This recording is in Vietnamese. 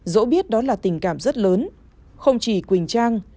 dỗ biết đó là tình cảm rất lớn không chỉ quỳnh trang